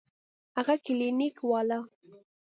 هغه کلينيک والا.